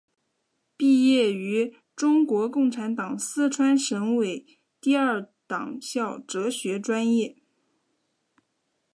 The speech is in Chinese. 毕业于中国共产党四川省委第二党校哲学专业。